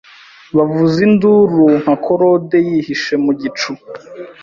bavuza induru Nka korode yihishe mu gicu